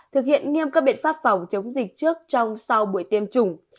thực hiện nghiêm các biện pháp phòng chống dịch trước trong sau buổi tiêm chủng